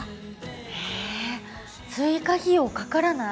へえ追加費用かからない。